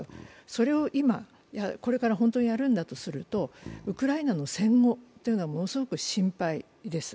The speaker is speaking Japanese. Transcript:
それを今、これから本当にやるんだとすると、ウクライナの戦後というのはものすごく心配です。